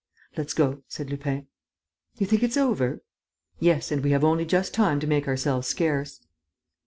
"Let's go," said Lupin. "You think it's over?" "Yes; and we have only just time to make ourselves scarce."